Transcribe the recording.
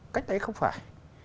cách ấy không phải